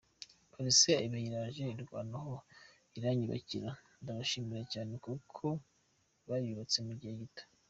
Polisi iba iraje indwanaho iranyubakira, ndabashimira cyane kuko bayubatse mu gihe gito.